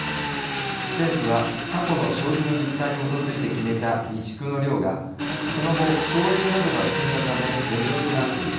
政府は過去の消費の実体に基づいて決めた備蓄の量がその後省エネなどが進んだため余剰となっている。